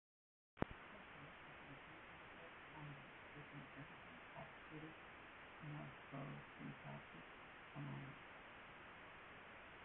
Chechen is an agglutinative language with an ergative-absolutive morphosyntactic alignment.